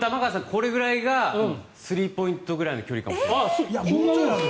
これぐらいがスリーポイントくらいの距離かもしれないです。